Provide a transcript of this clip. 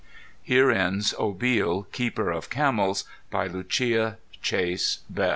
HERE ENDS OBIL, KEEPER OF CAMELS BY LUCIA CHASE BELL.